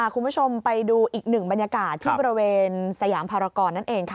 คุณผู้ชมไปดูอีกหนึ่งบรรยากาศที่บริเวณสยามภารกรนั่นเองค่ะ